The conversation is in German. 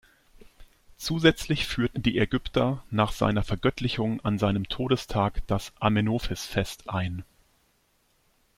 Zusätzlich führten die Ägypter nach seiner Vergöttlichung an seinem Todestag das Amenophis-Fest ein.